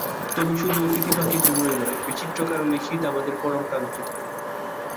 তবে শুধু অতিথি পাখির জন্যই নয়, বিচিত্র কারণেই শীত আমাদের পরম কাঙ্ক্ষিত।